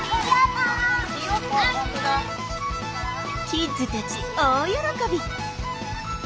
キッズたち大喜び！